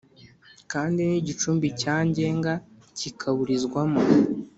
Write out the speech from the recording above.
kandi n’igicumbi cya ngenga kikaburizwamo